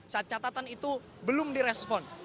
saat catatan itu belum direspon